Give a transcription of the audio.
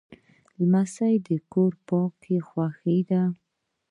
لمسی د کور پاکي خوښوي.